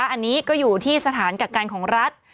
อันนี้ก็อยู่ที่สถานกักกันของรัฐ